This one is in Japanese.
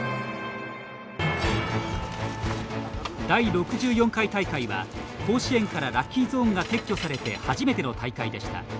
第６４回大会は、甲子園からラッキーゾーンが撤去されて初めての大会でした。